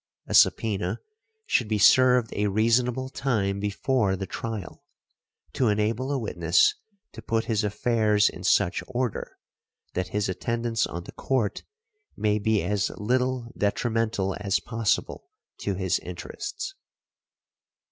A subpœna should be served a reasonable time before the trial, to enable a witness to put his affairs in such order that his attendance on the court may be as little detrimental as possible to his interests .